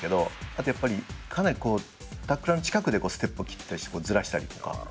あとやっぱりかなりタックラーの近くでステップを切ったりしてずらしたりとか。